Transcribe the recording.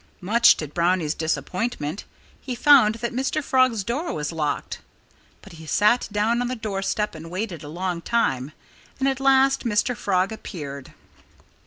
Much to Brownie's disappointment, he found that Mr. Frog's door was locked. But he sat down on the doorstep and waited a long time. And at last Mr. Frog appeared.